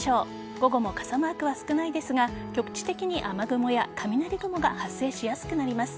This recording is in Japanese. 午後も傘マークは少ないですが局地的に雨雲や雷雲が発生しやすくなります。